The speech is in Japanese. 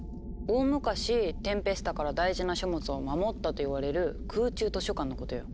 大昔テンペスタから大事な書物を守ったと言われる空中図書館のことよ。